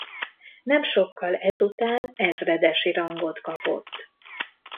Nem sokkal ezután ezredesi rangot kapott.